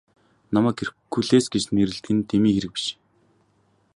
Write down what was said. Намайг Геркулес гэж нэрлэдэг нь дэмий хэрэг биш.